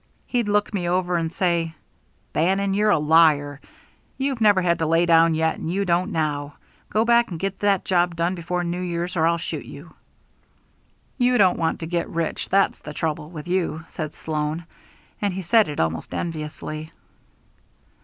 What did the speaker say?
He'd look me over and say: 'Bannon, you're a liar. You've never had to lay down yet, and you don't now. Go back and get that job done before New Year's or I'll shoot you.'" "You don't want to get rich, that's the trouble with you," said Sloan, and he said it almost enviously.